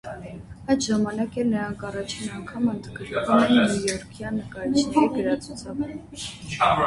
Այդ ժամանակ էլ նրանք առաջին անգամ ընդգրկվում են նյույորքյան նկարիչների գրացուցակում։